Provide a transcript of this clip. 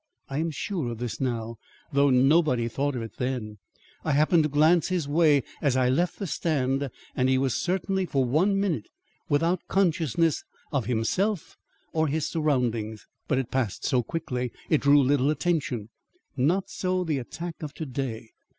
I am sure of this now, though nobody thought of it then. I happened to glance his way as I left the stand, and he was certainly for one minute without consciousness of himself or his surroundings. But it passed so quickly it drew little attention; not so, the attack of to day.